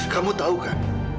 kamu tahu kan